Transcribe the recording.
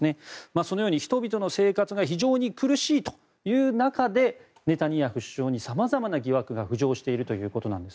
そのように人々の生活が非常に苦しいという中でネタニヤフ首相に様々な疑惑が浮上しているということです。